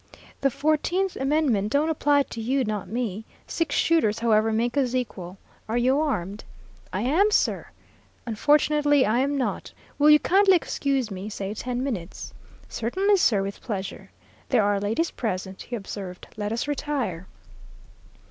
The fourteenth amendment don't apply to you nor me. Six shooters, however, make us equal. Are you armed?' "'I am, sir.' "'Unfortunately, I am not. Will you kindly excuse me, say ten minutes?' "'Certainly, sir, with pleasure.' "'There are ladies present,' he observed. 'Let us retire.'